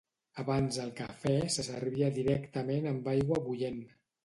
Abans el cafè se servia directament amb aigua bullent.